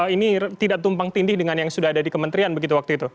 ini tidak tumpang tindih dengan yang sudah ada di kementerian begitu waktu itu